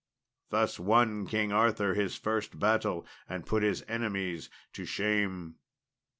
Thus won King Arthur his first battle and put his enemies to shame.